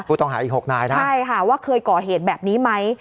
ผู้ต้องหาอีก๖นายนะใช่ค่ะว่าเคยก่อเหตุแบบนี้ไหม